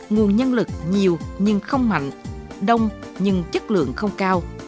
nguồn nhân lực nhiều nhưng không mạnh đông nhưng chất lượng không cao